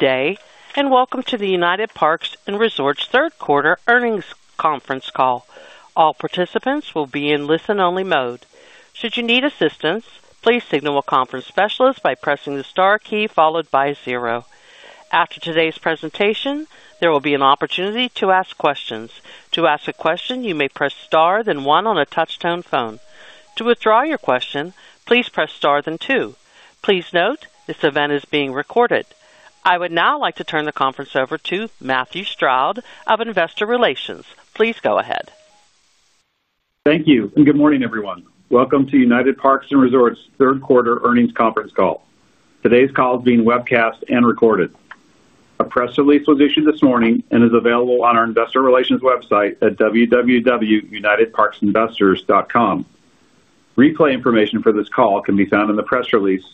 Today, and welcome to the United Parks & Resorts Third Quarter Earnings Conference Call. All participants will be in listen-only mode. Should you need assistance, please signal a conference specialist by pressing the star key followed by zero. After today's presentation, there will be an opportunity to ask questions. To ask a question, you may press star then one on a touch-tone phone. To withdraw your question, please press star then two. Please note this event is being recorded. I would now like to turn the conference over to Matthew Stroud of Investor Relations. Please go ahead. Thank you, and good morning, everyone. Welcome to United Parks & Resorts Third Quarter Earnings Conference Call. Today's call is being webcast and recorded. A press release was issued this morning and is available on our Investor Relations website at www. United Parks Investors.com. Replay information for this call can be found in the press release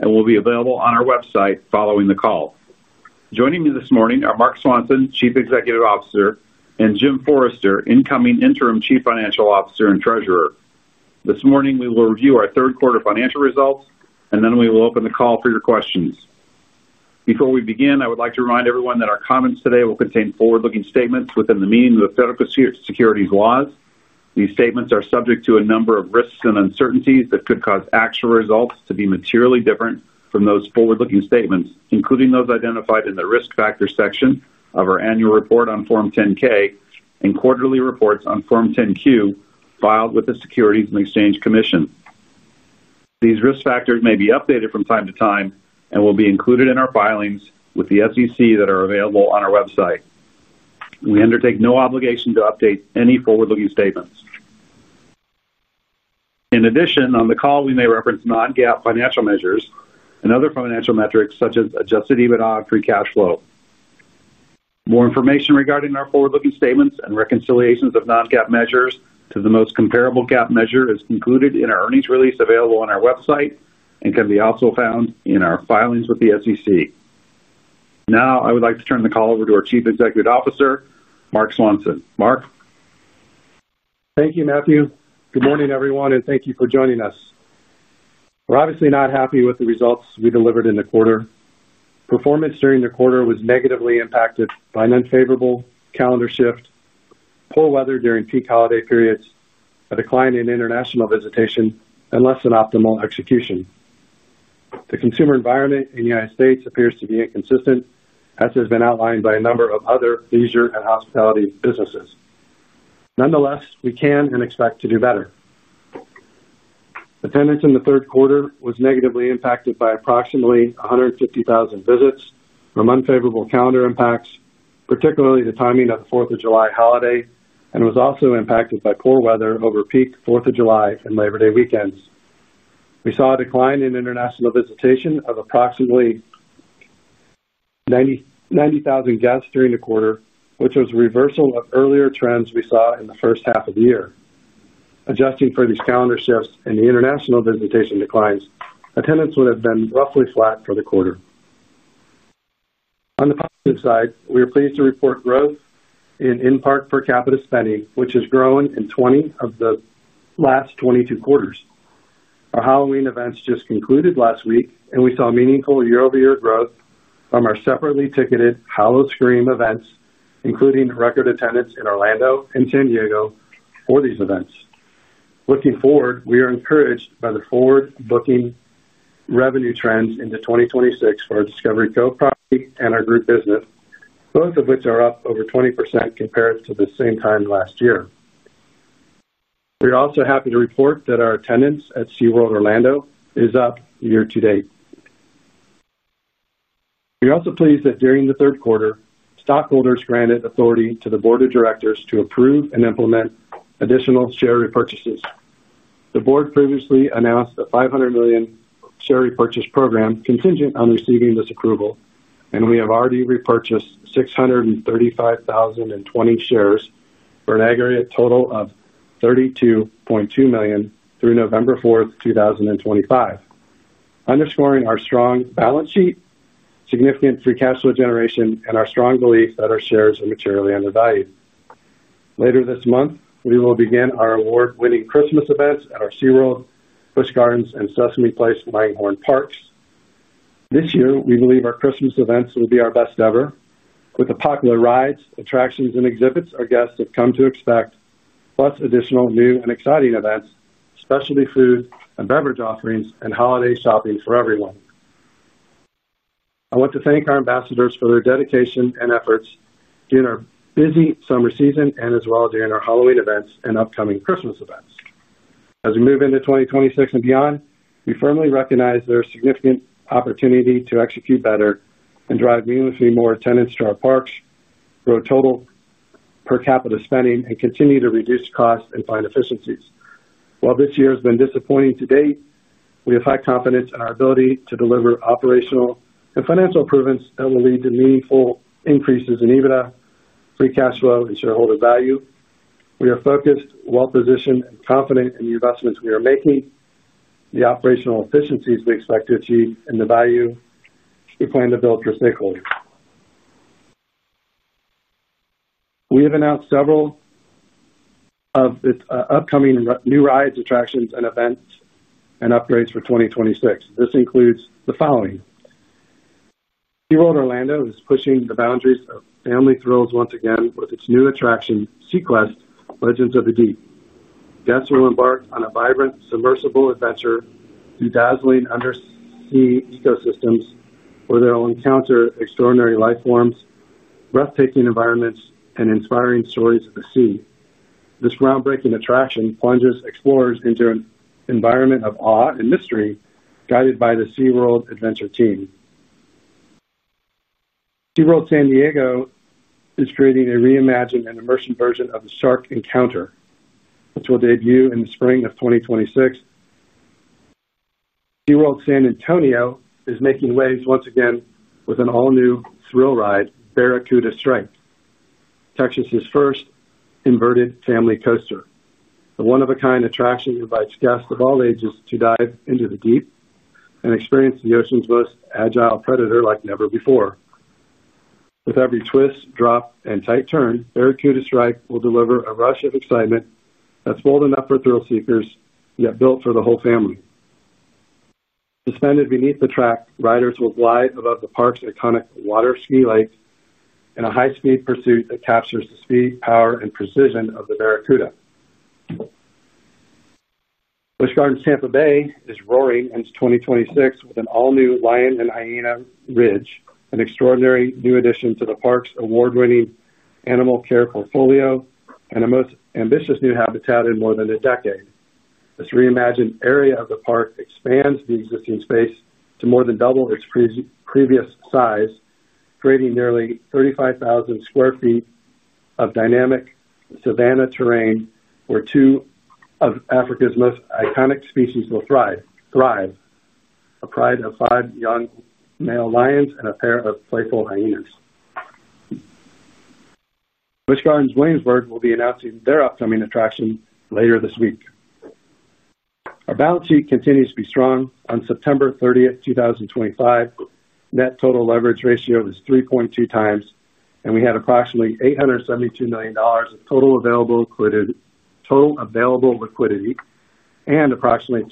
and will be available on our website following the call. Joining me this morning are Marc Swanson, Chief Executive Officer, and Jim Forrester, incoming Interim Chief Financial Officer and Treasurer. This morning, we will review our third quarter financial results, and then we will open the call for your questions. Before we begin, I would like to remind everyone that our comments today will contain forward-looking statements within the meaning of the federal securities laws. These statements are subject to a number of risks and uncertainties that could cause actual results to be materially different from those forward-looking statements, including those identified in the risk factor section of our annual report on Form 10-K and quarterly reports on Form 10-Q filed with the Securities and Exchange Commission. These risk factors may be updated from time to time and will be included in our filings with the SEC that are available on our website. We undertake no obligation to update any forward-looking statements. In addition, on the call, we may reference non-GAAP financial measures and other financial metrics such as adjusted EBITDA and free cash flow. More information regarding our forward-looking statements and reconciliations of non-GAAP measures to the most comparable GAAP measure is included in our earnings release available on our website and can be also found in our filings with the SEC. Now, I would like to turn the call over to our Chief Executive Officer, Marc Swanson. Marc. Thank you, Matthew. Good morning, everyone, and thank you for joining us. We're obviously not happy with the results we delivered in the quarter. Performance during the quarter was negatively impacted by an unfavorable calendar shift, poor weather during peak holiday periods, a decline in international visitation, and less than optimal execution. The consumer environment in the United States appears to be inconsistent, as has been outlined by a number of other leisure and hospitality businesses. Nonetheless, we can and expect to do better. Attendance in the third quarter was negatively impacted by approximately 150,000 visits from unfavorable calendar impacts, particularly the timing of the Fourth of July holiday, and was also impacted by poor weather over peak Fourth of July and Labor Day weekends. We saw a decline in international visitation of approximately. 90,000 guests during the quarter, which was a reversal of earlier trends we saw in the first half of the year. Adjusting for these calendar shifts and the international visitation declines, attendance would have been roughly flat for the quarter. On the positive side, we are pleased to report growth in in-park per capita spending, which has grown in 20 of the last 22 quarters. Our Halloween events just concluded last week, and we saw meaningful year-over-year growth from our separately ticketed Howl-O-Scream events, including record attendance in Orlando and San Diego for these events. Looking forward, we are encouraged by the forward-looking revenue trends into 2026 for our Discovery Cove property and our group business, both of which are up over 20% compared to the same time last year. We are also happy to report that our attendance at SeaWorld Orlando is up year-to-date. We are also pleased that during the third quarter, stockholders granted authority to the board of directors to approve and implement additional share repurchases. The board previously announced a $500 million share repurchase program contingent on receiving this approval, and we have already repurchased 635,020 shares for an aggregate total of $32.2 million through November 4, 2024. Underscoring our strong balance sheet, significant free cash flow generation, and our strong belief that our shares are materially undervalued. Later this month, we will begin our award-winning Christmas events at our SeaWorld, Busch Gardens, and Sesame Place, Langhorne parks. This year, we believe our Christmas events will be our best ever. With the popular rides, attractions, and exhibits our guests have come to expect, plus additional new and exciting events, specialty food and beverage offerings, and holiday shopping for everyone. I want to thank our ambassadors for their dedication and efforts during our busy summer season and as well during our Halloween events and upcoming Christmas events. As we move into 2025 and beyond, we firmly recognize there is significant opportunity to execute better and drive meaningfully more attendance to our parks, grow total per capita spending, and continue to reduce costs and find efficiencies. While this year has been disappointing to date, we have high confidence in our ability to deliver operational and financial performance that will lead to meaningful increases in EBITDA, free cash flow, and shareholder value. We are focused, well-positioned, and confident in the investments we are making, the operational efficiencies we expect to achieve, and the value we plan to build for stakeholders. We have announced several of its upcoming new rides, attractions, and events and upgrades for 2025. This includes the following. SeaWorld Orlando is pushing the boundaries of family thrills once again with its new attraction, SEAQuest: Legends of the Deep. Guests will embark on a vibrant, submersible adventure through dazzling undersea ecosystems where they'll encounter extraordinary life forms, breathtaking environments, and inspiring stories of the sea. This groundbreaking attraction plunges explorers into an environment of awe and mystery guided by the SeaWorld Adventure Team. SeaWorld San Diego is creating a reimagined and immersive version of the Shark Encounter. This will debut in the spring of 2026. SeaWorld San Antonio is making waves once again with an all-new thrill ride, Barracuda Strike, Texas's first inverted family coaster. The one-of-a-kind attraction invites guests of all ages to dive into the deep and experience the ocean's most agile predator like never before. With every twist, drop, and tight turn, Barracuda Strike will deliver a rush of excitement that's bold enough for thrill-seekers yet built for the whole family. Suspended beneath the track, riders will glide above the park's iconic water ski lake in a high-speed pursuit that captures the speed, power, and precision of the Barracuda. Busch Gardens Tampa Bay is roaring into 2026 with an all-new Lion & Hyena Ridge, an extraordinary new addition to the park's award-winning animal care portfolio and a most ambitious new habitat in more than a decade. This reimagined area of the park expands the existing space to more than double its previous size, creating nearly 35,000 square feet of dynamic savanna terrain where two of Africa's most iconic species will thrive, a pride of five young male lions and a pair of playful hyenas. Busch Gardens Williamsburg will be announcing their upcoming attraction later this week. Our balance sheet continues to be strong. On September 30, 2025. Net total leverage ratio is 3.2 times, and we had approximately $872 million of total available liquidity and approximately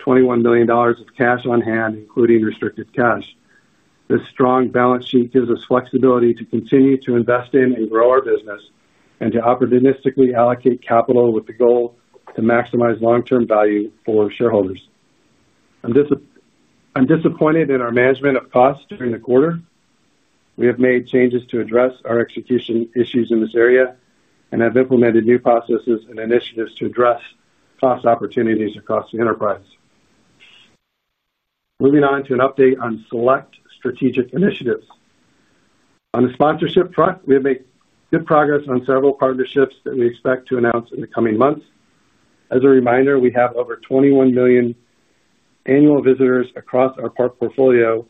$221 million of cash on hand, including restricted cash. This strong balance sheet gives us flexibility to continue to invest in and grow our business and to opportunistically allocate capital with the goal to maximize long-term value for shareholders. I'm disappointed in our management of costs during the quarter. We have made changes to address our execution issues in this area and have implemented new processes and initiatives to address cost opportunities across the enterprise. Moving on to an update on select strategic initiatives. On the sponsorship front, we have made good progress on several partnerships that we expect to announce in the coming months. As a reminder, we have over 21 million. Annual visitors across our park portfolio,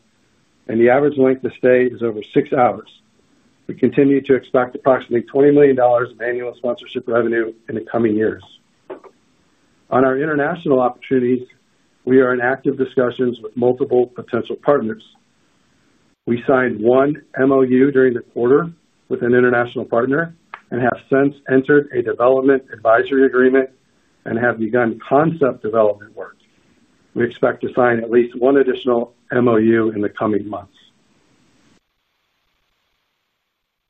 and the average length of stay is over six hours. We continue to expect approximately $20 million of annual sponsorship revenue in the coming years. On our international opportunities, we are in active discussions with multiple potential partners. We signed one MOU during the quarter with an international partner and have since entered a development advisory agreement and have begun concept development work. We expect to sign at least one additional MOU in the coming months.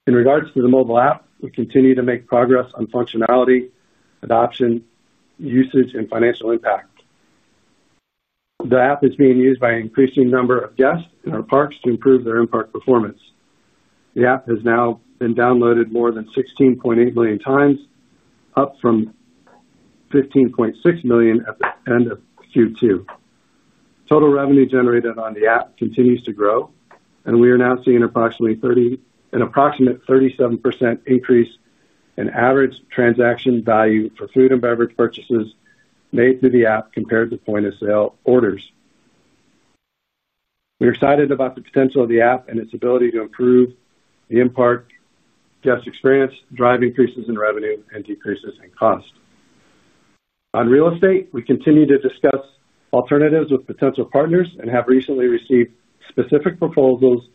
In regards to the mobile app, we continue to make progress on functionality, adoption, usage, and financial impact. The app is being used by an increasing number of guests in our parks to improve their in-park performance. The app has now been downloaded more than 16.8 million times, up from. 15.6 million at the end of Q2. Total revenue generated on the app continues to grow, and we are now seeing an approximate. 37% increase in average transaction value for food and beverage purchases made through the app compared to point-of-sale orders. We are excited about the potential of the app and its ability to improve the in-park guest experience, drive increases in revenue, and decreases in cost. On real estate, we continue to discuss alternatives with potential partners and have recently received specific proposals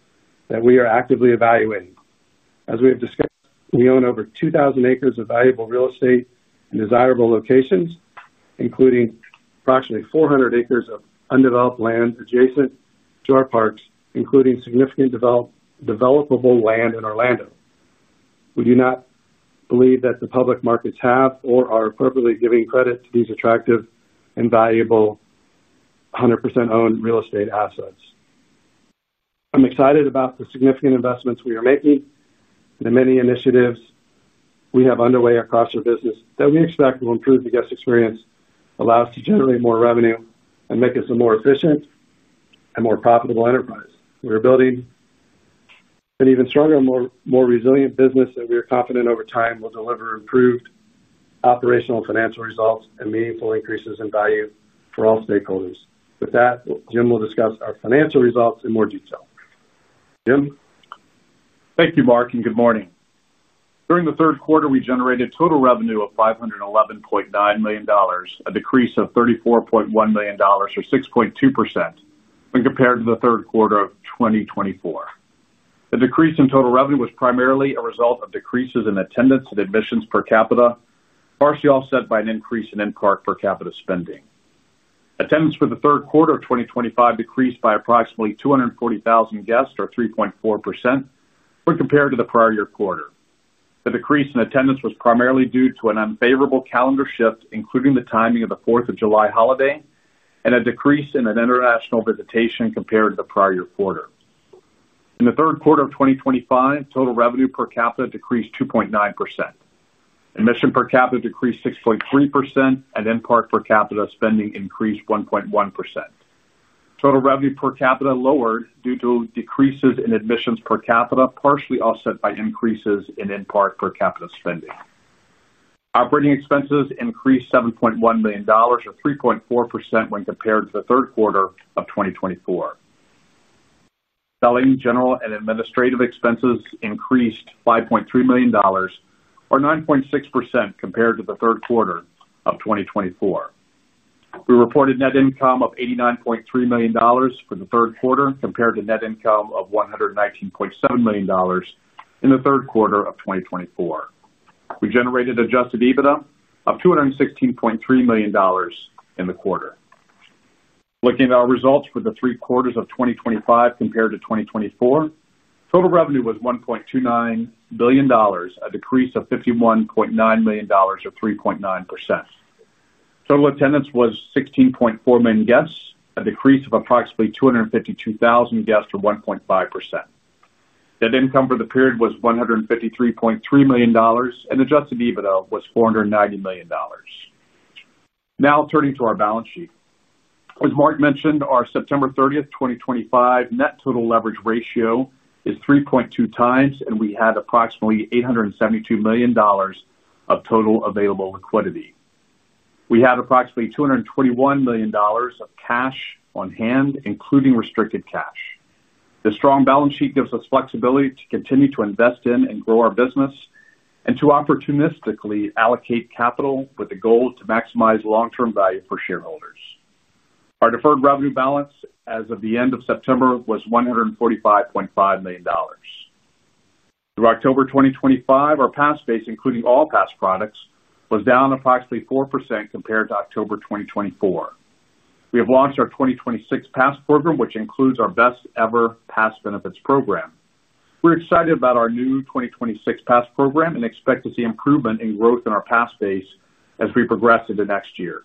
that we are actively evaluating. As we have discussed, we own over 2,000 acres of valuable real estate in desirable locations, including. Approximately 400 acres of undeveloped land adjacent to our parks, including significant developable land in Orlando. We do not believe that the public markets have or are appropriately giving credit to these attractive and valuable. 100% owned real estate assets. I'm excited about the significant investments we are making and the many initiatives we have underway across our business that we expect will improve the guest experience, allow us to generate more revenue, and make us a more efficient and more profitable enterprise. We are building. An even stronger and more resilient business that we are confident over time will deliver improved operational financial results and meaningful increases in value for all stakeholders. With that, Jim will discuss our financial results in more detail. Jim. Thank you, Marc, and good morning. During the third quarter, we generated total revenue of $511.9 million, a decrease of $34.1 million, or 6.2%, when compared to the third quarter of 2024. The decrease in total revenue was primarily a result of decreases in attendance and admissions per capita, partially offset by an increase in in-park per capita spending. Attendance for the third quarter of 2025 decreased by approximately 240,000 guests, or 3.4%. When compared to the prior year quarter. The decrease in attendance was primarily due to an unfavorable calendar shift, including the timing of the 4th of July holiday and a decrease in international visitation compared to the prior year quarter. In the third quarter of 2025, total revenue per capita decreased 2.9%. Admission per capita decreased 6.3%, and in-park per capita spending increased 1.1%. Total revenue per capita lowered due to decreases in admissions per capita, partially offset by increases in in-park per capita spending. Operating expenses increased $7.1 million, or 3.4%, when compared to the third quarter of 2024. Selling general and administrative expenses increased $5.3 million, or 9.6%, compared to the third quarter of 2024. We reported net income of $89.3 million for the third quarter compared to net income of $119.7 million. In the third quarter of 2024. We generated adjusted EBITDA of $216.3 million in the quarter. Looking at our results for the three quarters of 2025 compared to 2024, total revenue was $1.29 billion, a decrease of $51.9 million, or 3.9%. Total attendance was 16.4 million guests, a decrease of approximately 252,000 guests, or 1.5%. Net income for the period was $153.3 million, and adjusted EBITDA was $490 million. Now, turning to our balance sheet. As Marc mentioned, our September 30, 2025, net total leverage ratio is 3.2 times, and we had approximately $872 million. Of total available liquidity. We had approximately $221 million of cash on hand, including restricted cash. The strong balance sheet gives us flexibility to continue to invest in and grow our business. And to opportunistically allocate capital with the goal to maximize long-term value for shareholders. Our deferred revenue balance as of the end of September was $145.5 million. Through October 2025, our pass base, including all pass products, was down approximately 4% compared to October 2024. We have launched our 2026 pass program, which includes our best-ever pass benefits program. We're excited about our new 2026 pass program and expect to see improvement in growth in our pass base as we progress into next year.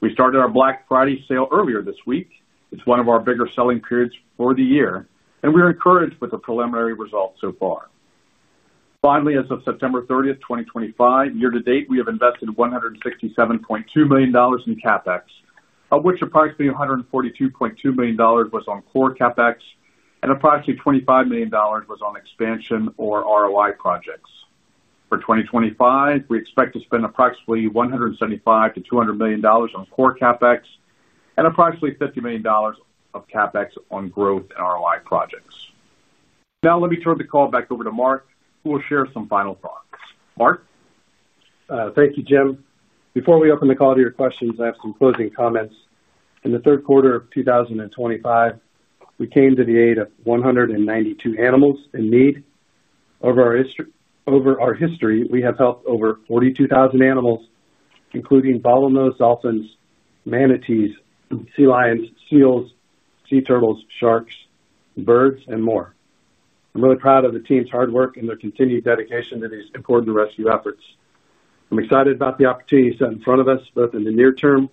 We started our Black Friday sale earlier this week. It's one of our bigger selling periods for the year, and we're encouraged with the preliminary results so far. Finally, as of September 30th, 2025, year to date, we have invested $167.2 million in CapEx, of which approximately $142.2 million was on core CapEx and approximately $25 million was on expansion or ROI projects. For 2025, we expect to spend approximately $175 million-$200 million on core CapEx and approximately $50 million of CapEx on growth and ROI projects. Now, let me turn the call back over to Marc, who will share some final thoughts. Marc. Thank you, Jim. Before we open the call to your questions, I have some closing comments. In the third quarter of 2025, we came to the aid of 192 animals in need. Over our. History, we have helped over 42,000 animals, including bottlenose dolphins, manatees, sea Lions, seals, sea turtles, sharks, birds, and more. I'm really proud of the team's hard work and their continued dedication to these important rescue efforts. I'm excited about the opportunities set in front of us, both in the near term,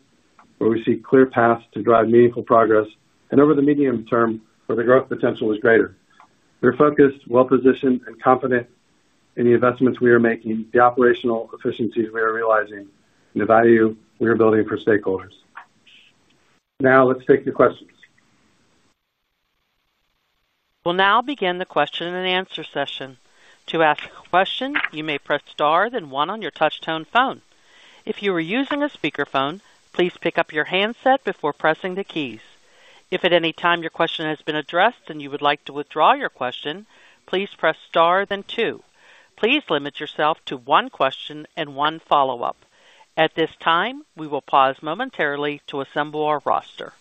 where we see clear paths to drive meaningful progress, and over the medium term, where the growth potential is greater. We're focused, well-positioned, and confident in the investments we are making, the operational efficiencies we are realizing, and the value we are building for stakeholders. Now, let's take your questions. We'll now begin the question and answer session. To ask a question, you may press star then one on your touch-tone phone. If you are using a speakerphone, please pick up your handset before pressing the keys. If at any time your question has been addressed and you would like to withdraw your question, please press star then two. Please limit yourself to one question and one follow-up. At this time, we will pause momentarily to assemble our roster.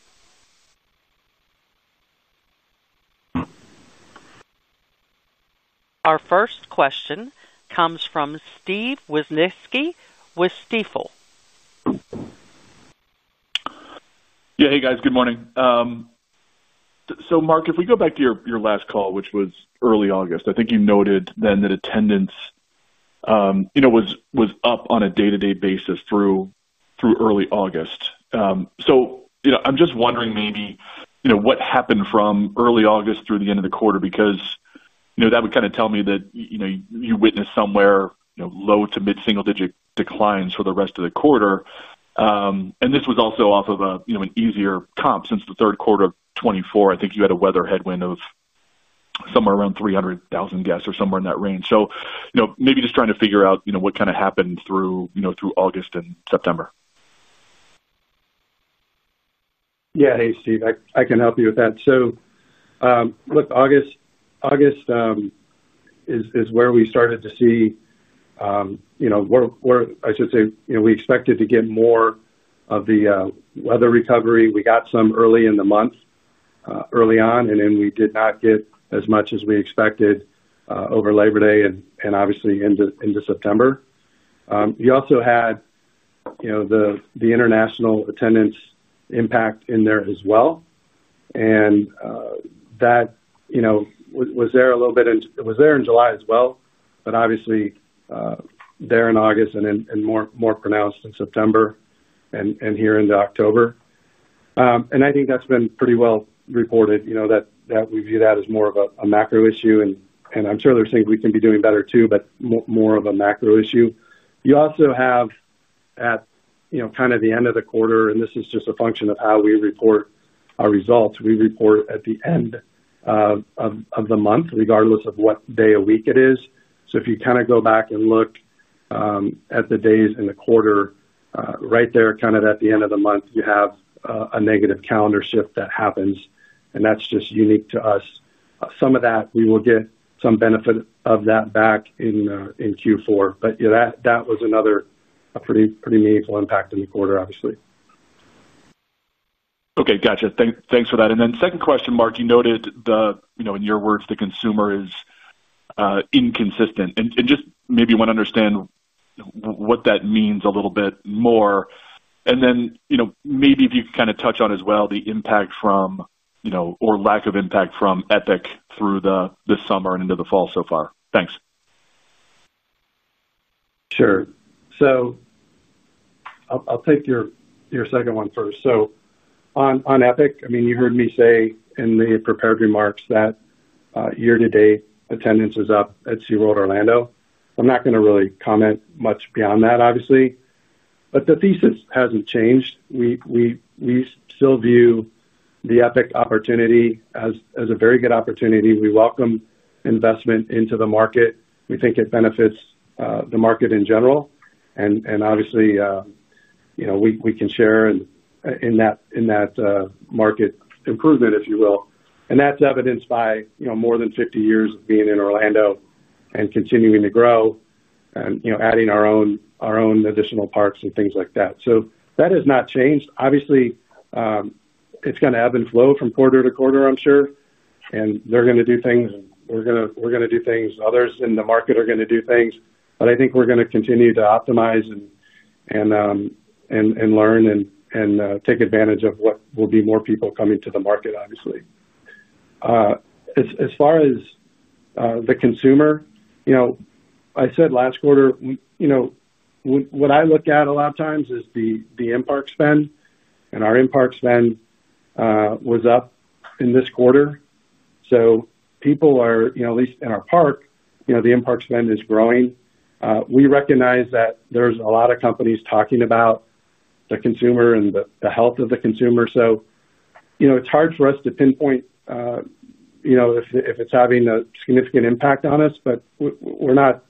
Our first question comes from Steve Wieczynski with Stifel. Yeah, hey guys, good morning. So, Marc, if we go back to your last call, which was early August, I think you noted then that attendance. Was up on a day-to-day basis through. Early August. So, I'm just wondering maybe what happened from early August through the end of the quarter because that would kind of tell me that you witnessed somewhere low to mid-single-digit declines for the rest of the quarter. And this was also off of an easier comp since the third quarter of 2024. I think you had a weather headwind of. Somewhere around 300,000 guests or somewhere in that range. So, maybe just trying to figure out what kind of happened through August and September. Yeah, hey, Steve, I can help you with that. So. With August. Is where we started to see. Where I should say we expected to get more of the weather recovery. We got some early in the month. Early on, and then we did not get as much as we expected over Labor Day and obviously into September. You also had. The international attendance impact in there as well. And. That. Was there a little bit in it was there in July as well, but obviously. There in August and more pronounced in September. And here into October. And I think that's been pretty well reported that we view that as more of a macro issue. And I'm sure there are things we can be doing better too, but more of a macro issue. You also have. At kind of the end of the quarter, and this is just a function of how we report our results, we report at the end. Of the month, regardless of what day of week it is. So, if you kind of go back and look. At the days in the quarter, right there kind of at the end of the month, you have a negative calendar shift that happens, and that's just unique to us. Some of that, we will get some benefit of that back in Q4. But that was another. Pretty meaningful impact in the quarter, obviously. Okay, gotcha. Thanks for that. And then second question, Marc, you noted in your words the consumer is. Inconsistent. And just maybe you want to understand. What that means a little bit more. And then maybe if you can kind of touch on as well the impact from. Or lack of impact from Epic through the summer and into the fall so far. Thanks. Sure. So. I'll take your second one first. So, on Epic, I mean, you heard me say in the prepared remarks that. Year-to-date attendance is up at SeaWorld Orlando. I'm not going to really comment much beyond that, obviously. But the thesis hasn't changed. We still view the Epic opportunity as a very good opportunity. We welcome investment into the market. We think it benefits the market in general. And obviously. We can share in that market improvement, if you will. And that's evidenced by more than 50 years of being in Orlando and continuing to grow and adding our own additional parks and things like that. So, that has not changed. Obviously. It's going to ebb and flow from quarter to quarter, I'm sure. And they're going to do things. We're going to do things. Others in the market are going to do things. But I think we're going to continue to optimize and. Learn and take advantage of what will be more people coming to the market, obviously. As far as. The consumer. I said last quarter. What I look at a lot of times is the in-park spend. And our in-park spend. Was up in this quarter. So, people are, at least in our park, the in-park spend is growing. We recognize that there's a lot of companies talking about. The consumer and the health of the consumer. So, it's hard for us to pinpoint. If it's having a significant impact on us, but we're not.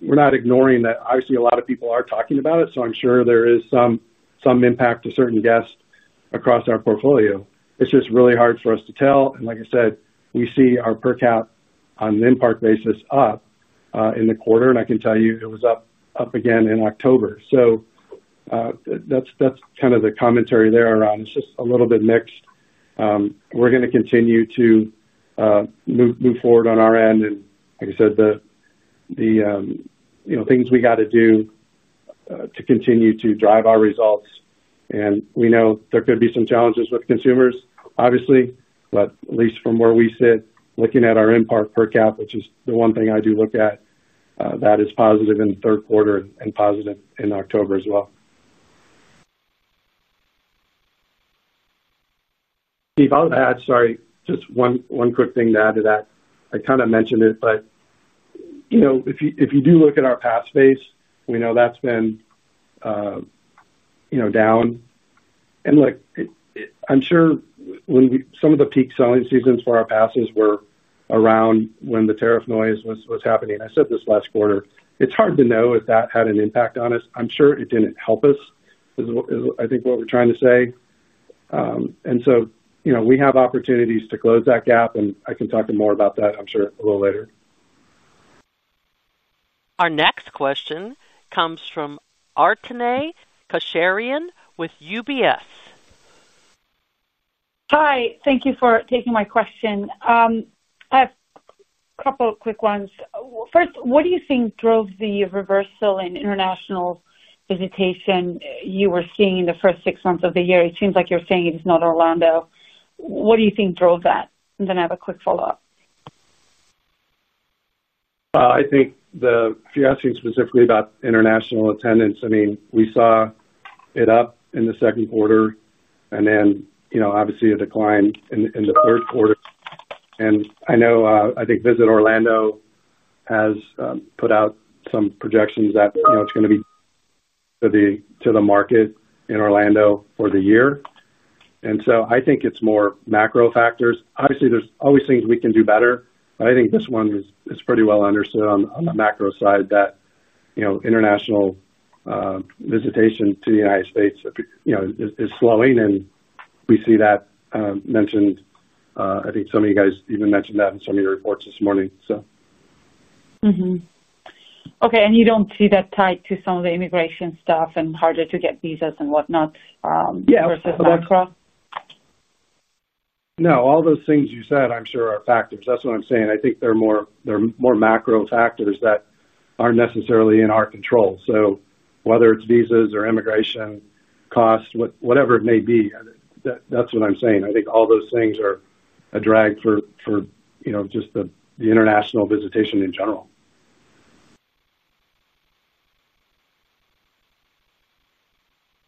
Ignoring that. Obviously, a lot of people are talking about it, so I'm sure there is some impact to certain guests across our portfolio. It's just really hard for us to tell. And like I said, we see our per cap on the in-park basis up in the quarter, and I can tell you it was up again in October. So, that's kind of the commentary there around. It's just a little bit mixed. We're going to continue to. Move forward on our end. And like I said, the. Things we got to do. To continue to drive our results. And we know there could be some challenges with consumers, obviously, but at least from where we sit, looking at our in-park per cap, which is the one thing I do look at. That is positive in the third quarter and positive in October as well. Steve, I'll add, sorry, just one quick thing to add to that. I kind of mentioned it, but. If you do look at our pass base, we know that's been. Down. And look, I'm sure when some of the peak selling seasons for our passes were around when the tariff noise was happening. I said this last quarter. It's hard to know if that had an impact on us. I'm sure it didn't help us. I think what we're trying to say. And so, we have opportunities to close that gap, and I can talk more about that, I'm sure, a little later. Our next question comes from Arpine Kocharian with UBS. Hi. Thank you for taking my question. I have a couple of quick ones. First, what do you think drove the reversal in international visitation you were seeing in the first six months of the year? It seems like you're saying it is not Orlando. What do you think drove that? And then I have a quick follow-up. I think the, if you're asking specifically about international attendance, I mean, we saw it up in the second quarter and then obviously a decline in the third quarter. And I think Visit Orlando. Has put out some projections that it's going to be. To the market in Orlando for the year. And so, I think it's more macro factors. Obviously, there's always things we can do better, but I think this one is pretty well understood on the macro side that. International. Visitation to the United States. Is slowing, and we see that mentioned. I think some of you guys even mentioned that in some of your reports this morning, so. Okay. And you don't see that tied to some of the immigration stuff and harder to get visas and whatnot versus Workforce? No, all those things you said, I'm sure, are factors. That's what I'm saying. I think they're more macro factors that aren't necessarily in our control. So, whether it's visas or immigration costs, whatever it may be, that's what I'm saying. I think all those things are a drag for. Just the international visitation in general.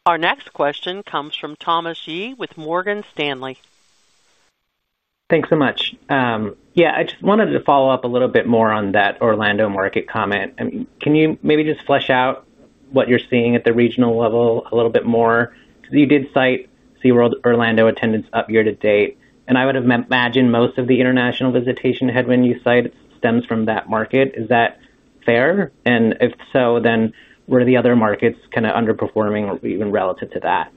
Our next question comes from Thomas Yeh with Morgan Stanley. Thanks so much. Yeah, I just wanted to follow up a little bit more on that Orlando market comment. Can you maybe just flesh out what you're seeing at the regional level a little bit more? Because you did cite SeaWorld Orlando attendance up year to date. And I would imagine most of the international visitation headwind you cite stems from that market. Is that fair? And if so, then were the other markets kind of underperforming even relative to that?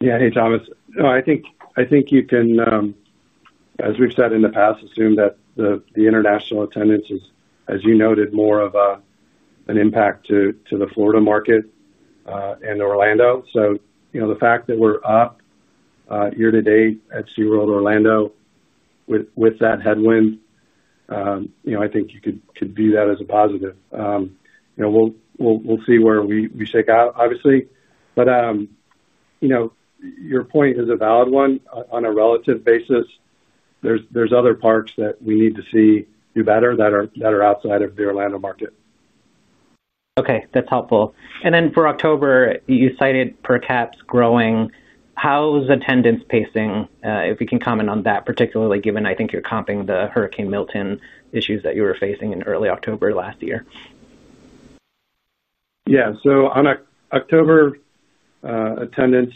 Yeah, hey, Thomas. No, I think you can, as we've said in the past, assume that the international attendance is, as you noted, more of. An impact to the Florida market. And Orlando. So, the fact that we're up. Year to date at SeaWorld Orlando. With that headwind. I think you could view that as a positive. We'll see where we shake out, obviously. But. Your point is a valid one. On a relative basis. There's other parks that we need to see do better that are outside of the Orlando market. Okay. That's helpful. And then for October, you cited per caps growing. How's attendance pacing? If you can comment on that, particularly given I think you're comping the Hurricane Milton issues that you were facing in early October last year. Yeah. So, on October. Attendance.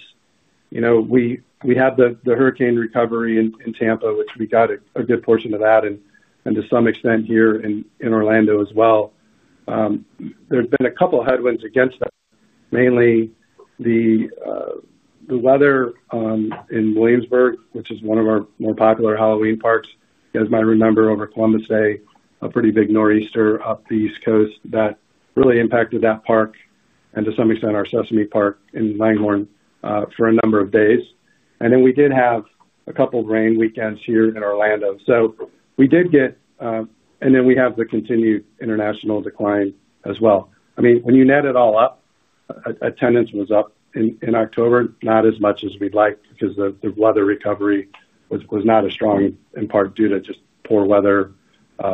We had the hurricane recovery in Tampa, which we got a good portion of that, and to some extent here in Orlando as well. There's been a couple of headwinds against that, mainly the. Weather. In Williamsburg, which is one of our more popular Halloween parks, as you might remember, over Columbus Day, a pretty big nor'easter up the East Coast that really impacted that park and to some extent our Sesame Park in Langhorn for a number of days. And then we did have a couple of rain weekends here in Orlando. So, we did get, and then we have the continued international decline as well. I mean, when you net it all up. Attendance was up in October, not as much as we'd like because the weather recovery was not as strong in part due to just poor weather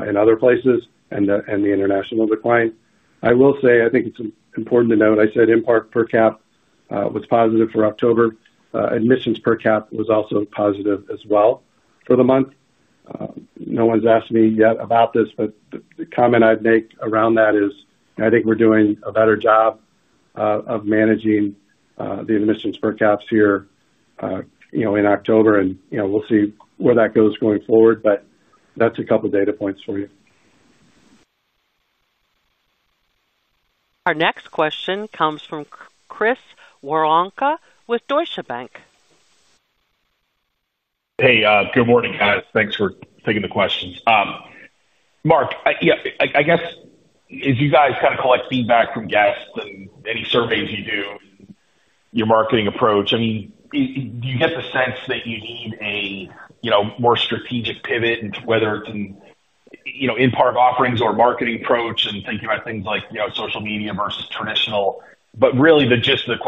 in other places and the international decline. I will say, I think it's important to note, I said in-park per cap was positive for October. Admissions per cap was also positive as well for the month. No one's asked me yet about this, but the comment I'd make around that is I think we're doing a better job. Of managing the admissions per caps here. In October, and we'll see where that goes going forward, but that's a couple of data points for you. Our next question comes from Chris Woronka with Deutsche Bank. Hey, good morning, guys. Thanks for taking the questions. Marc, yeah, I guess, as you guys kind of collect feedback from guests and any surveys you do, your marketing approach, I mean, do you get the sense that you need a more strategic pivot, whether it's in. In-park offerings or marketing approach and thinking about things like social media versus traditional? But really, the gist of the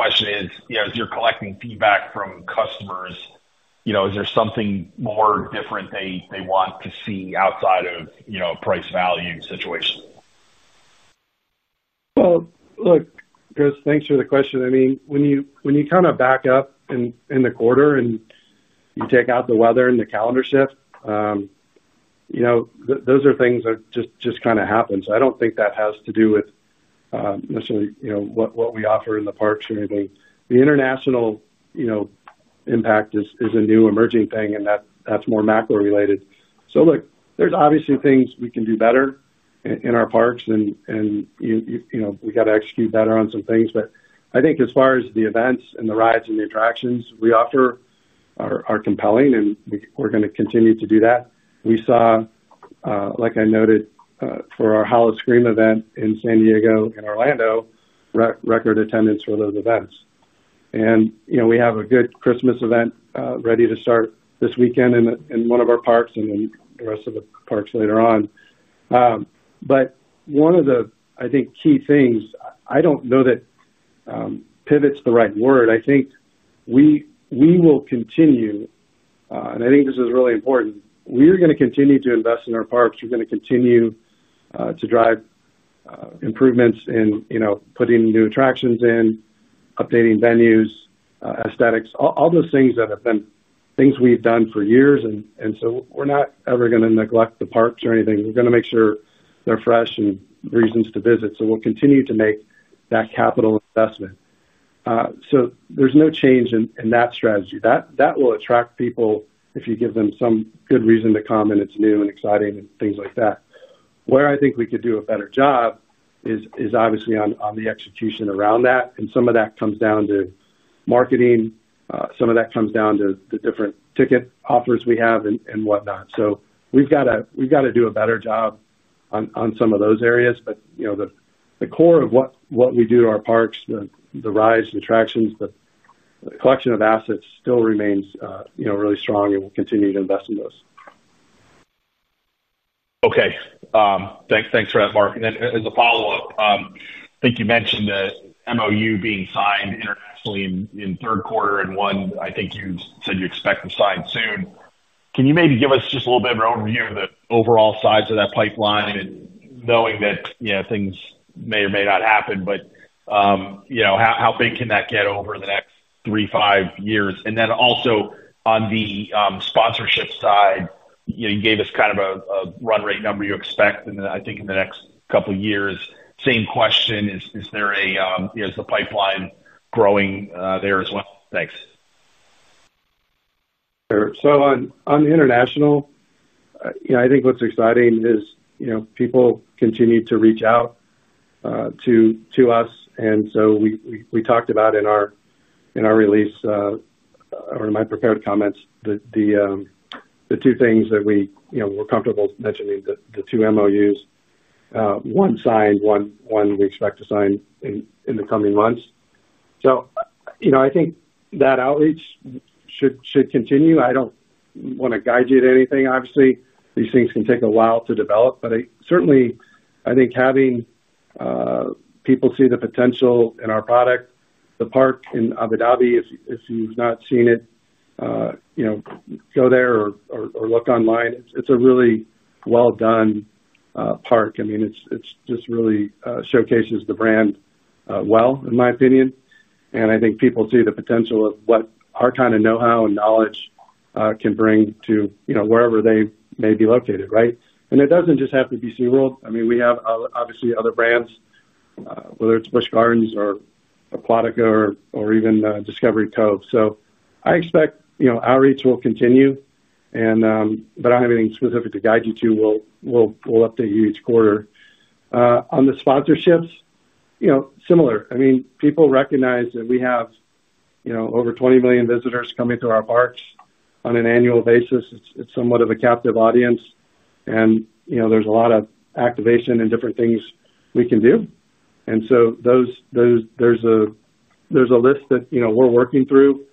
question is, as you're collecting feedback from customers, is there something more different they want to see outside of a price value situation? Well, look, Chris, thanks for the question. I mean, when you kind of back up in the quarter and you take out the weather and the calendar shift. Those are things that just kind of happen. So, I don't think that has to do with. Necessarily what we offer in the parks or anything. The international. Impact is a new emerging thing, and that's more macro related. So, look, there's obviously things we can do better in our parks, and. We got to execute better on some things. But I think as far as the events and the rides and the attractions we offer. Are compelling, and we're going to continue to do that. We saw. Like I noted, for our Howl-O-Scream event in San Diego and Orlando. Record attendance for those events. And we have a good Christmas event ready to start this weekend in one of our parks and then the rest of the parks later on. But one of the, I think, key things, I don't know that. Pivot's the right word. I think. We will continue, and I think this is really important, we're going to continue to invest in our parks. We're going to continue to drive. Improvements in putting new attractions in, updating venues, aesthetics, all those things that have been things we've done for years. And so, we're not ever going to neglect the parks or anything. We're going to make sure they're fresh and reasons to visit. So, we'll continue to make that capital investment. So, there's no change in that strategy. That will attract people if you give them some good reason to come and it's new and exciting and things like that. Where I think we could do a better job is obviously on the execution around that. And some of that comes down to marketing. Some of that comes down to the different ticket offers we have and whatnot. So, we've got to do a better job. On some of those areas. But. The core of what we do to our parks, the rides, the attractions, the collection of assets still remains really strong, and we'll continue to invest in those. Okay. Thanks for that, Marc. And then as a follow-up, I think you mentioned the MOU being signed internationally in third quarter and one, I think you said you expect to sign soon. Can you maybe give us just a little bit of an overview of the overall size of that pipeline and knowing that things may or may not happen, but. How big can that get over the next three, five years? And then also on the sponsorship side, you gave us kind of a run rate number you expect. And then I think in the next couple of years, same question, is there a, is the pipeline growing there as well? Thanks. Sure. So, on the international. I think what's exciting is people continue to reach out. To us. And so, we talked about in our. Release. Or in my prepared comments, the. Two things that we were comfortable mentioning, the two MOUs. One signed, one we expect to sign in the coming months. So, I think that outreach should continue. I don't want to guide you to anything, obviously. These things can take a while to develop. But certainly, I think having. People see the potential in our product, the park in Abu Dhabi, if you've not seen it. Go there or look online. It's a really well-done park. I mean, it just really showcases the brand well, in my opinion. And I think people see the potential of what our kind of know-how and knowledge can bring to wherever they may be located, right? And it doesn't just have to be SeaWorld. I mean, we have obviously other brands, whether it's Busch Gardens or Aquatica or even Discovery Cove. So, I expect outreach will continue. But I don't have anything specific to guide you to. We'll update you each quarter. On the sponsorships. Similar. I mean, people recognize that we have. Over 20 million visitors coming through our parks on an annual basis. It's somewhat of a captive audience. And there's a lot of activation and different things we can do. And so, there's. A list that we're working through.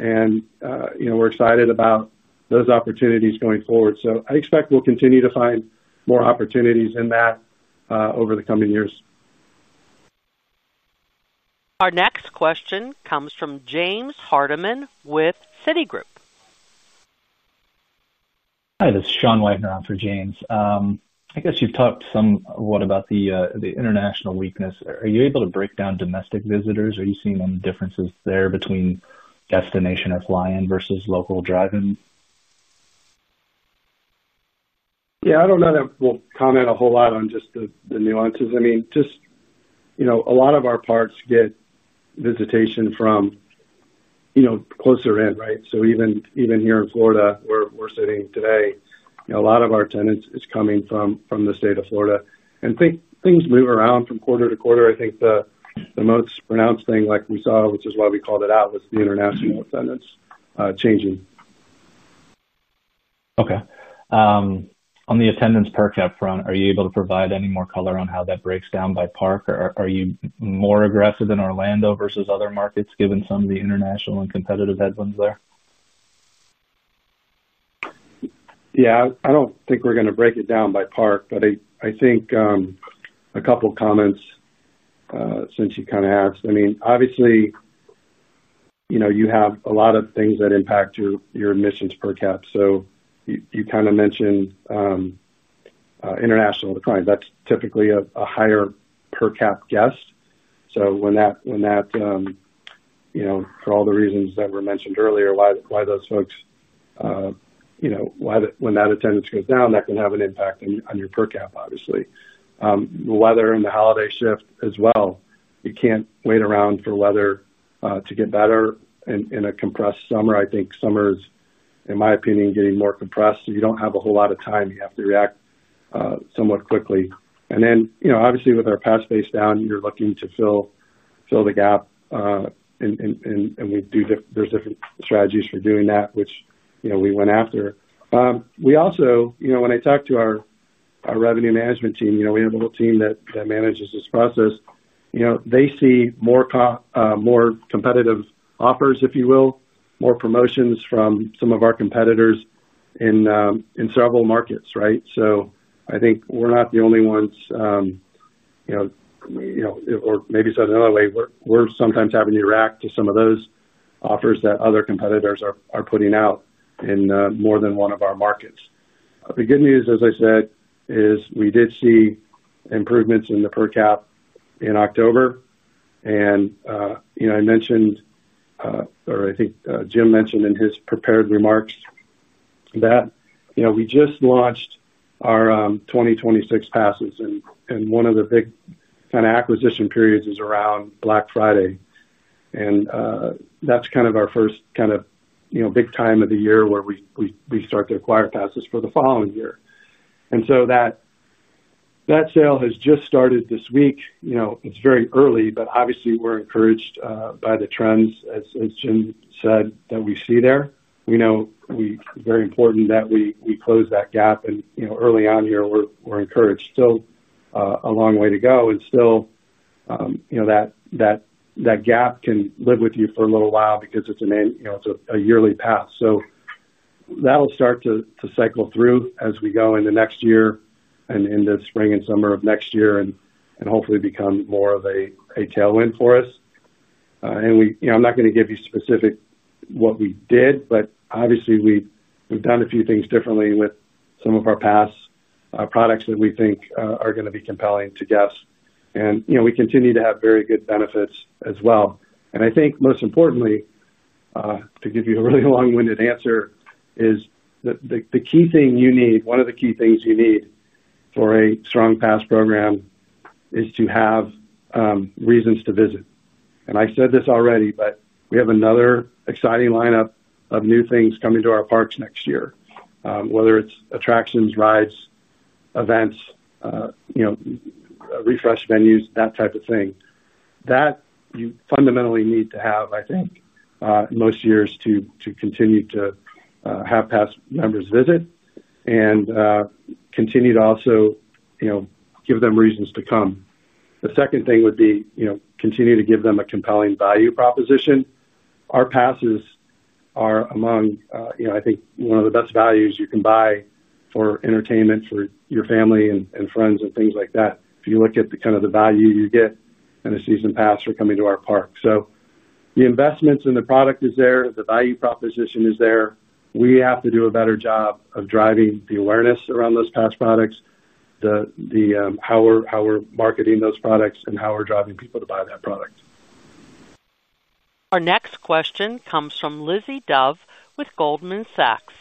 And we're excited about those opportunities going forward. So, I expect we'll continue to find more opportunities in that over the coming years. Our next question comes from James Hardiman with Citigroup. Hi, this is Sean Wagner for James. I guess you've talked somewhat about the. International weakness. Are you able to break down domestic visitors? Are you seeing any differences there between destination or fly-in versus local drive-in? Yeah, I don't know that we'll comment a whole lot on just the nuances. I mean, just. A lot of our parks get visitation from. Closer in, right? So, even here in Florida, where we're sitting today, a lot of our attendance is coming from the state of Florida. And things move around from quarter to quarter. I think the most pronounced thing like we saw, which is why we called it out, was the international attendance changing. Okay. On the attendance per caps front, are you able to provide any more color on how that breaks down by park? Are you more aggressive in Orlando versus other markets given some of the international and competitive headwinds there? Yeah, I don't think we're going to break it down by park, but I think. A couple of comments. Since you kind of asked. I mean, obviously. You have a lot of things that impact your admissions per caps. So, you kind of mentioned. International decline. That's typically a higher per cap guest. So, when that. For all the reasons that were mentioned earlier, why those folks. When that attendance goes down, that can have an impact on your per cap, obviously. The weather and the holiday shift as well. You can't wait around for weather to get better in a compressed summer. I think summer is, in my opinion, getting more compressed. So, you don't have a whole lot of time. You have to react somewhat quickly. And then, obviously, with our pass space down, you're looking to fill. The gap. And there's different strategies for doing that, which we went after. We also, when I talked to our revenue management team, we have a whole team that manages this process. They see more. Competitive offers, if you will, more promotions from some of our competitors in several markets, right? So, I think we're not the only ones. Or maybe said another way, we're sometimes having to react to some of those offers that other competitors are putting out in more than one of our markets. The good news, as I said, is we did see improvements in the per cap in October. And. I mentioned. Or I think Jim mentioned in his prepared remarks. That we just launched our 2026 passes. And one of the big kind of acquisition periods is around Black Friday. And that's kind of our first kind of big time of the year where we start to acquire passes for the following year. And so, that. Sale has just started this week. It's very early, but obviously, we're encouraged by the trends, as Jim said, that we see there. We know it's very important that we close that gap. And early on here, we're encouraged. Still a long way to go. And still. That. Gap can live with you for a little while because it's a yearly pass. So, that'll start to cycle through as we go into next year and into spring and summer of next year and hopefully become more of a tailwind for us. And I'm not going to give you specific what we did, but obviously, we've done a few things differently with some of our past. Products that we think are going to be compelling to guests. And we continue to have very good benefits as well. And I think most importantly. To give you a really long-winded answer, is the key thing you need, one of the key things you need for a strong pass program. Is to have. Reasons to visit. And I said this already, but we have another exciting lineup of new things coming to our parks next year, whether it's attractions, rides, events. Refresh venues, that type of thing. That you fundamentally need to have, I think. Most years to continue to have pass members visit and. Continue to also. Give them reasons to come. The second thing would be continue to give them a compelling value proposition. Our passes are among, I think, one of the best values you can buy for entertainment for your family and friends and things like that. If you look at kind of the value you get in a season pass for coming to our park. So, the investments in the product are there. The value proposition is there. We have to do a better job of driving the awareness around those pass products. How we're marketing those products and how we're driving people to buy that product. Our next question comes from Lizzie Dove with Goldman Sachs.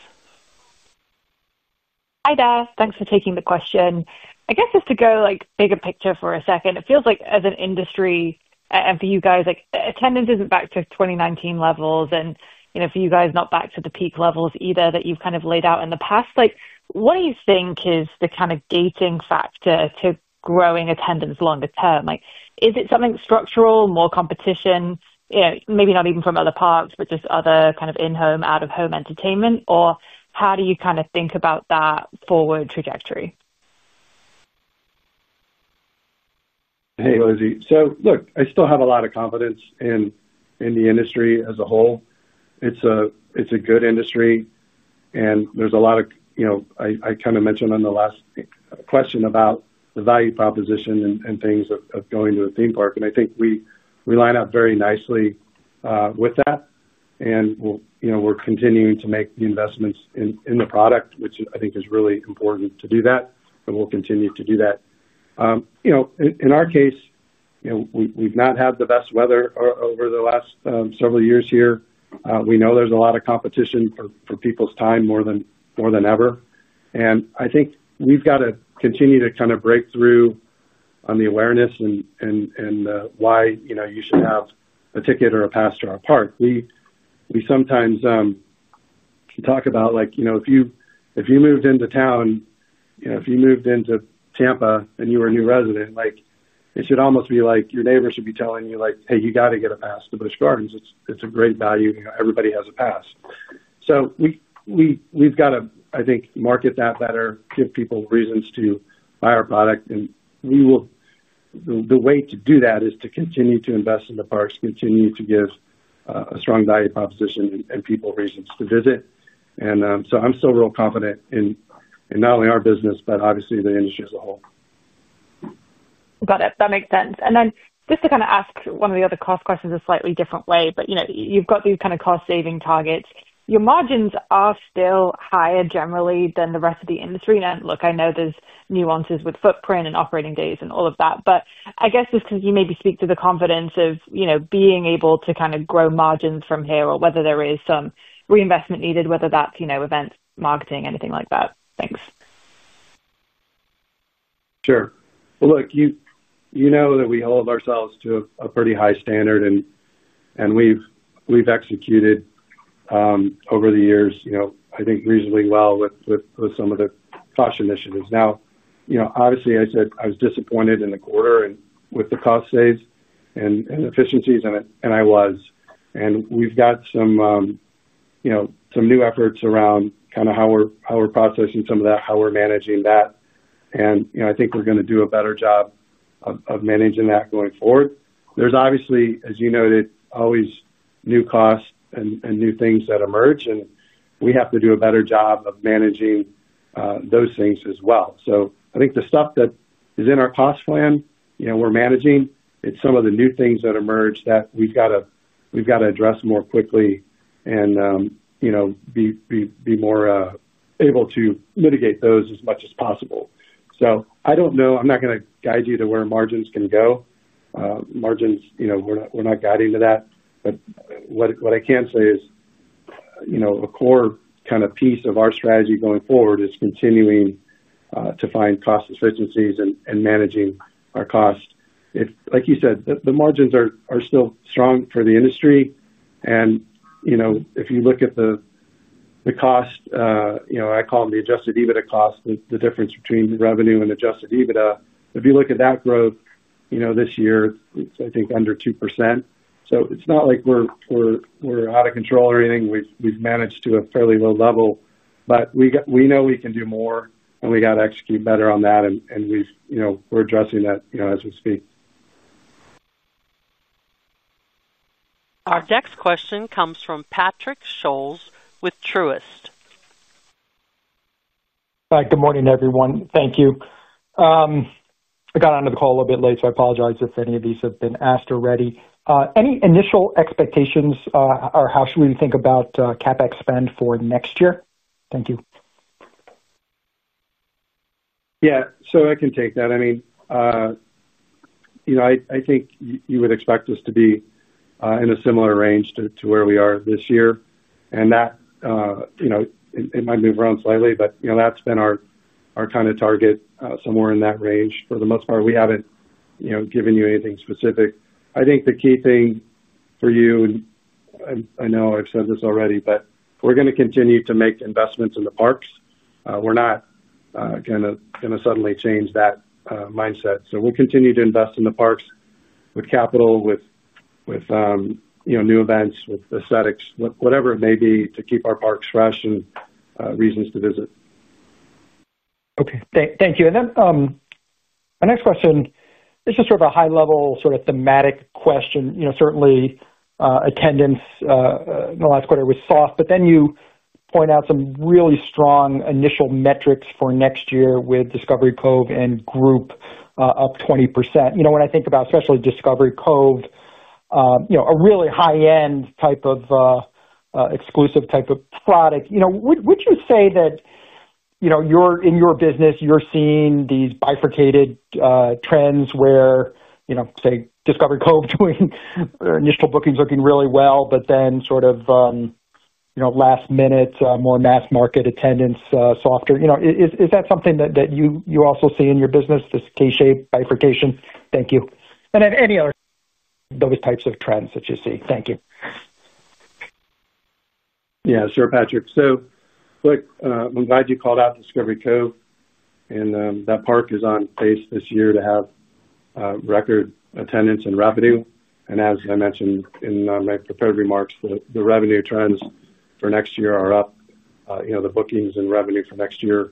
Hi there. Thanks for taking the question. I guess just to go bigger picture for a second, it feels like as an industry and for you guys, attendance isn't back to 2019 levels. And for you guys, not back to the peak levels either that you've kind of laid out in the past. What do you think is the kind of gating factor to growing attendance longer term? Is it something structural, more competition. Maybe not even from other parks, but just other kind of in-home, out-of-home entertainment? Or how do you kind of think about that forward trajectory? Hey, Lizzie. So, look, I still have a lot of confidence in the industry as a whole. It's a good industry. And there's a lot of, I kind of mentioned on the last question about the value proposition and things of going to a theme park. And I think we line up very nicely with that. And we're continuing to make the investments in the product, which I think is really important to do that. And we'll continue to do that. In our case. We've not had the best weather over the last several years here. We know there's a lot of competition for people's time more than ever. And I think we've got to continue to kind of break through. On the awareness and why you should have a ticket or a pass to our park. We sometimes. Talk about if you moved into town. If you moved into Tampa and you were a new resident, it should almost be like your neighbor should be telling you, "Hey, you got to get a pass to Busch Gardens. It's a great value. Everybody has a pass." So. We've got to, I think, market that better, give people reasons to buy our product. And. The way to do that is to continue to invest in the parks, continue to give a strong value proposition and people reasons to visit. And so, I'm still real confident in not only our business, but obviously the industry as a whole. Got it. That makes sense. And then just to kind of ask one of the other cost questions a slightly different way, but you've got these kind of cost-saving targets. Your margins are still higher generally than the rest of the industry. And look, I know there's nuances with footprint and operating days and all of that. But I guess just because you maybe speak to the confidence of being able to kind of grow margins from here or whether there is some reinvestment needed, whether that's events, marketing, anything like that. Thanks. Sure. Well, look, you know that we hold ourselves to a pretty high standard. And we've executed. Over the years, I think, reasonably well with some of the cost initiatives. Now, obviously, I said I was disappointed in the quarter and with the cost saves and efficiencies, and I was. And we've got some. New efforts around kind of how we're processing some of that, how we're managing that. And I think we're going to do a better job. Of managing that going forward. There's obviously, as you noted, always new costs and new things that emerge. And we have to do a better job of managing those things as well. So, I think the stuff that is in our cost plan, we're managing. It's some of the new things that emerge that we've got to address more quickly and. Be more able to mitigate those as much as possible. So, I don't know. I'm not going to guide you to where margins can go. Margins, we're not guiding to that. But what I can say is. A core kind of piece of our strategy going forward is continuing to find cost efficiencies and managing our cost. Like you said, the margins are still strong for the industry. And if you look at the. Cost. I call them the adjusted EBITDA cost, the difference between revenue and adjusted EBITDA, if you look at that growth this year, it's, I think, under 2%. So, it's not like we're out of control or anything. We've managed to a fairly low level. But we know we can do more, and we got to execute better on that. And we're addressing that as we speak. Our next question comes from Patrick Scholes with Truist. Hi. Good morning, everyone. Thank you. I got onto the call a little bit late, so I apologize if any of these have been asked already. Any initial expectations or how should we think about CapEx spend for next year? Thank you. Yeah. So, I can take that. I mean. I think you would expect us to be in a similar range to where we are this year. And that. It might move around slightly, but that's been our kind of target somewhere in that range for the most part. We haven't given you anything specific. I think the key thing for you, and I know I've said this already, but we're going to continue to make investments in the parks. We're not going to suddenly change that mindset. So, we'll continue to invest in the parks with capital, with. New events, with aesthetics, whatever it may be to keep our parks fresh and reasons to visit. Okay. Thank you. And then. My next question, this is sort of a high-level sort of thematic question. Certainly. Attendance in the last quarter was soft, but then you point out some really strong initial metrics for next year with Discovery Cove and Group up 20%. When I think about especially Discovery Cove, a really high-end type of. Exclusive type of product, would you say that. In your business, you're seeing these bifurcated trends where, say, Discovery Cove doing initial bookings looking really well, but then sort of. Last-minute, more mass market attendance softer? Is that something that you also see in your business, this K-shaped bifurcation? Thank you. And then any other. Those types of trends that you see? Thank you. Yeah. Sure, Patrick. So, look, I'm glad you called out Discovery Cove. And that park is on pace this year to have. Record attendance and revenue. And as I mentioned in my prepared remarks, the revenue trends for next year are up. The bookings and revenue for next year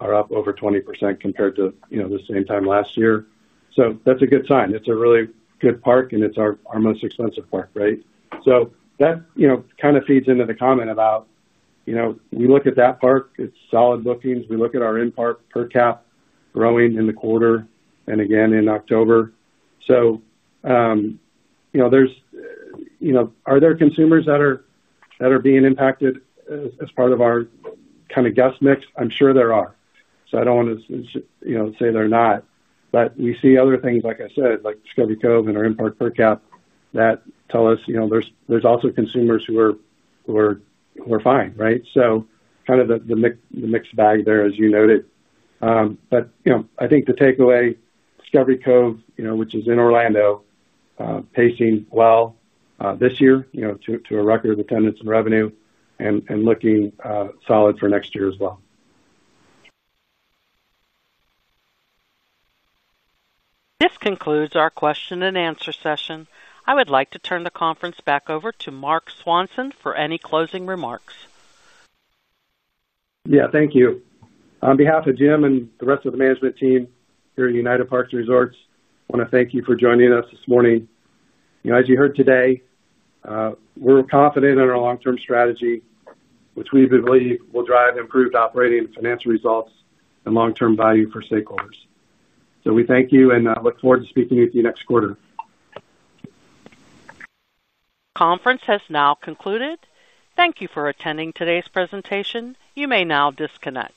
are up over 20% compared to the same time last year. So, that's a good sign. It's a really good park, and it's our most expensive park, right? So, that kind of feeds into the comment about. We look at that park, it's solid bookings. We look at our in-park per cap growing in the quarter and again in October. So. Are there consumers that are. Being impacted as part of our kind of guest mix? I'm sure there are. So, I don't want to say they're not. But we see other things, like I said, like Discovery Cove and our in-park per cap that tell us there's also consumers who are. Fine. Right? So, kind of the mixed bag there, as you noted. But I think the takeaway, Discovery Cove, which is in Orlando. Pacing well this year to a record of attendance and revenue and looking solid for next year as well. This concludes our question and answer session. I would like to turn the conference back over to Marc Swanson for any closing remarks. Yeah. Thank you. On behalf of Jim and the rest of the management team here at United Parks & Resorts, I want to thank you for joining us this morning. As you heard today. We're confident in our long-term strategy, which we believe will drive improved operating and financial results and long-term value for stakeholders. So, we thank you and look forward to speaking with you next quarter. Conference has now concluded. Thank you for attending today's presentation. You may now disconnect.